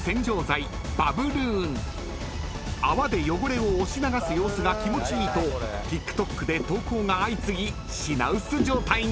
［泡で汚れを押し流す様子が気持ちいいとＴｉｋＴｏｋで投稿が相次ぎ品薄状態に］